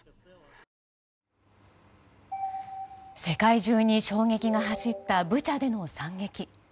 世界中に衝撃が走ったブチャでの惨劇。